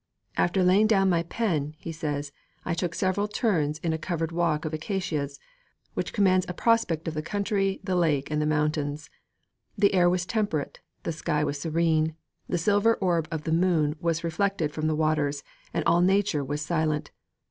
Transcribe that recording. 'After laying down my pen,' he says, 'I took several turns in a covered walk of acacias which commands a prospect of the country, the lake and the mountains. The air was temperate, the sky was serene, the silver orb of the moon was reflected from the waters, and all nature was silent.'